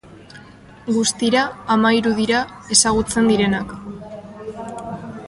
Guztira hamahiru dira ezagutzen direnak.